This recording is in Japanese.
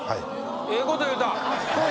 ええこと言うた。